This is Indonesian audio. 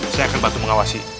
saya akan bantu mengawasi